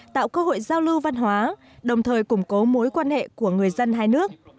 tạo cơ hội giao lưu văn hóa đồng thời củng cố mối quan hệ của người dân hai nước